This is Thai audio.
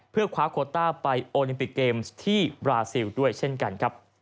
เพื่อคว้าโคต้าไปโอลิมปิกเกมส์ที่บราซิลด้วยเช่นกันครับ